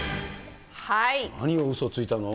何をうそついたの？